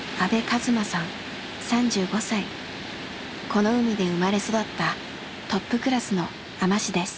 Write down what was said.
この海で生まれ育ったトップクラスの海士です。